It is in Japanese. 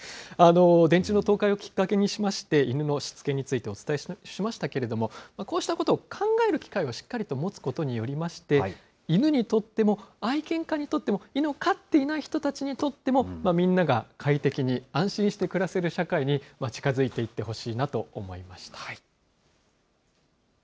電柱の倒壊をきっかけにしまして、犬のしつけについてお伝えしましたけれども、こうしたことを考える機会をしっかりと持つことによりまして、犬にとっても、愛犬家にとっても、犬を飼っていない人たちにとっても、みんなが快適に安心して暮らせる社会に近づいていってほしいなと思いました。